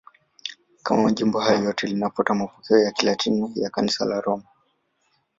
Kama majimbo hayo yote, linafuata mapokeo ya Kilatini ya Kanisa la Roma.